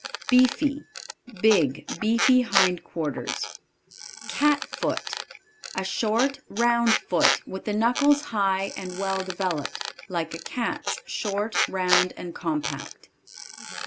Beefy. Big, beefy hind quarters. Cat foot. A short, round foot, with the knuckles high and well developed; like a cat's, short, round and compact.